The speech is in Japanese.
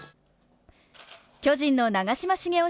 巨人の長嶋茂雄